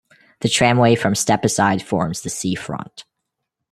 The tramway from Stepaside forms the sea front.